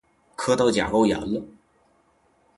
磕到甲沟炎了！